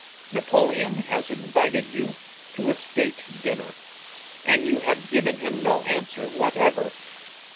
Napoleon has invited you to a state dinner and you have given him no answer whatever.